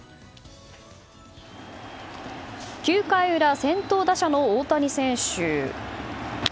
９回裏、先頭打者の大谷選手。